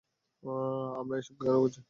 আমরা এসব কেন করছি?